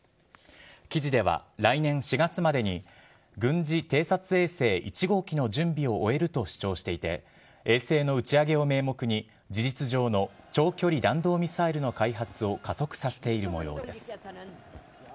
記事では、来年４月までに、軍事偵察衛星１号機の準備を終えると主張していて、衛星の打ち上げを名目に、事実上の長距離弾道ミサイルの開発を加速させているもようです。